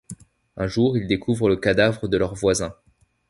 Un jour, il découvrent le cadavre de leur voisin.